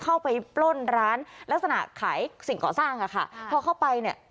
เข้าไปปล้นร้านลักษณะขายสิ่งของสร้างค่ะพอเข้าไปเนี่ย